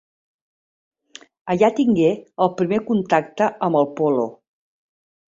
Allà tingué el primer contacte amb el polo.